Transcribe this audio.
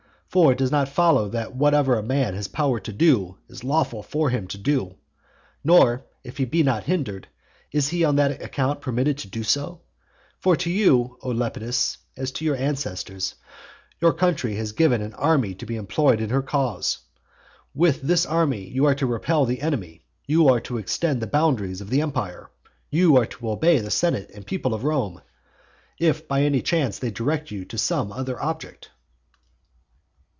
For it does not follow that whatever a man has power to do is lawful for him to do; nor, if he be not hindered, is he on that account permitted to do so. For to you, O Lepidus, as to your ancestors, your country has given an army to be employed in her cause. With this army you are to repel the enemy, you are to extend the boundaries of the empire, you are to obey the senate and people of Rome, if by any chance they direct you to some other object.